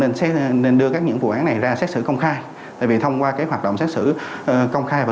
nên sẽ nên đưa các những vụ án này ra xét xử công khai tại vì thông qua cái hoạt động xét xử công khai và